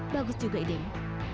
bagus juga idemu